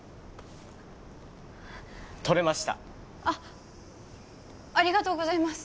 取れましたあっありがとうございます